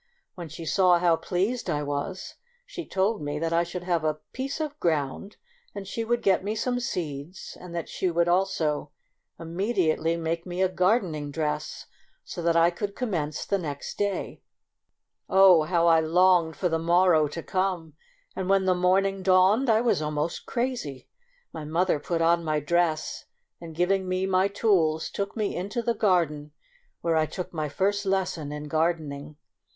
When she saw how pleased I was, she told me that I should have a piece of ground, and she would get me some seeds, and she would also imme diately make me a gardening dress, so that I could commence the next day. Oh, 24 MEMOIRS OF A how I longed for the morrow to come, and when the morning dawned I was almost crazy. My mother put on my dress, and giving me my tools took me into the garden, where I took my first lesson in gardening.